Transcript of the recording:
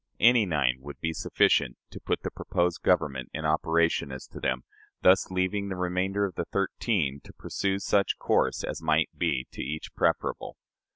Any nine would be sufficient to put the proposed government in operation as to them, thus leaving the remainder of the thirteen to pursue such course as might be to each preferable.